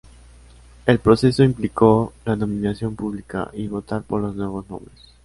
El proceso implicó la nominación pública y votar por los nuevos nombres.